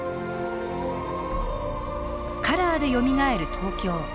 「カラーでよみがえる東京」。